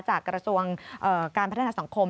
กระทรวงการพัฒนาสังคม